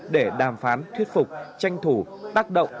để đàm phán thuyết phục tranh thủ tác động